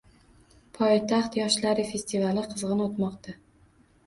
“Poytaxt yoshlari” festivali qizg‘in o‘tmoqda